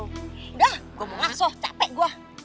udah gua mau masuk capek gua